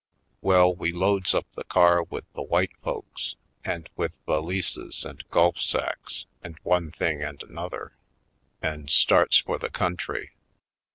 Well, we loads up the car with the white folks, and with valises and golf sacks and one thing and another and starts for the country.